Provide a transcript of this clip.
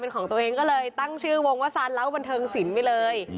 เป็นของตัวเองก็เลยตั้งชื่อวงว่าซานเล้าบันเทิงสินไปเลย